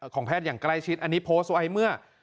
ของแพทย์อย่างใกล้ชิดอันนี้โพสต์ไว้เมื่อ